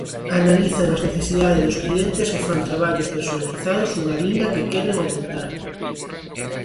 Analizan as necesidades dos clientes e fan traballos personalizados, unha liña que queren aumentar.